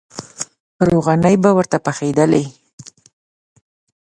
روغانۍ به ورته پخېدلې.